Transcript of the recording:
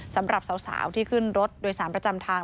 สำหรับสาวที่ขึ้นรถโดยสารประจำทาง